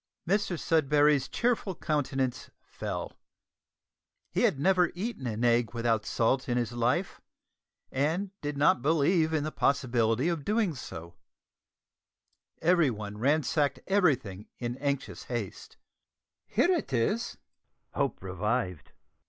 Mr Sudberry's cheerful countenance fell. He had never eaten an egg without salt in his life, and did not believe in the possibility of doing so. Everyone ransacked everything in anxious haste. "Here it is!"